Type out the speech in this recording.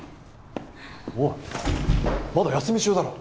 おいまだ休み中だろ！？